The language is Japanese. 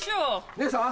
姉さん！